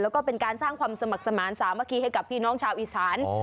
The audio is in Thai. แล้วก็เป็นการสร้างความสมัครสมาธิสามัคคีให้กับพี่น้องชาวอีสาน